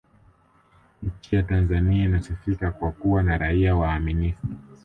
nchi ya tanzania inasifika kwa kuwa na raia waaminifu